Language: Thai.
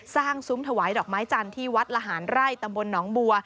ซุ้มถวายดอกไม้จันทร์ที่วัดละหารไร่ตำบลหนองบัว